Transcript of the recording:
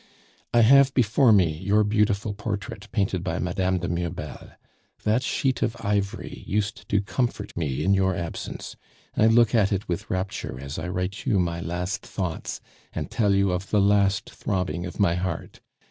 "I have before me your beautiful portrait, painted by Madame de Mirbel. That sheet of ivory used to comfort me in your absence, I look at it with rapture as I write you my last thoughts, and tell you of the last throbbing of my heart.